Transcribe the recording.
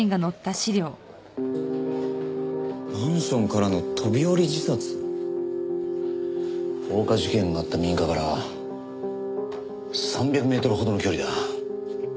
マンションからの飛び降り自殺？放火事件があった民家から３００メートルほどの距離だ。